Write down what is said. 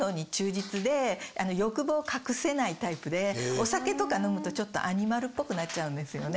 欲望を隠せないタイプでお酒とか飲むとちょっとアニマルっぽくなっちゃうんですよね。